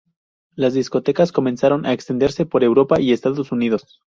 Las discotecas comenzaron a extenderse por Europa y Estados Unidos.